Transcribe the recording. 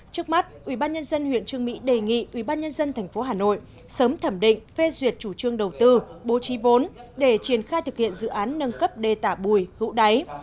trước mắt ubnd huyện trương mỹ đề nghị ubnd thành phố hà nội sớm thẩm định phê duyệt chủ trương đầu tư bố trí vốn để triển khai thực hiện dự án nâng cấp đề tả bùi hũ đáy